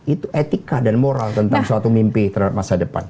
itu etika dan moral tentang suatu mimpi terhadap masa depan